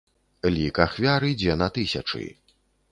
Лік ахвяр ідзе на тысячы.